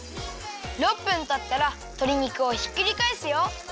６分たったらとり肉をひっくりかえすよ！